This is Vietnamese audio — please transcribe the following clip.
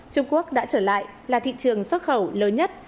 trung quốc đã trở lại là thị trường xuất khẩu lớn nhất